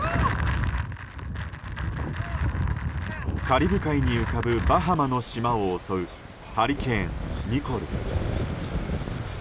カリブ海に浮かぶバハマの島を襲うハリケーン、ニコル。